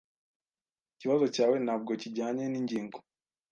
Ikibazo cyawe ntabwo kijyanye ningingo.